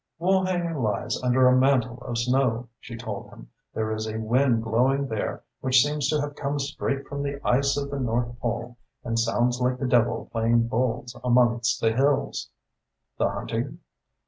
"Woolhanger lies under a mantle of snow," she told him. "There is a wind blowing there which seems to have come straight from the ice of the North Pole and sounds like the devil playing bowls amongst the hills." "The hunting?"